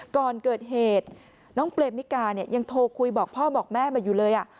ก่อนเกิดเหตุน้องเปรมมิกาเนี่ยยังโทรคุยบอกพ่อบอกแม่มาอยู่เลย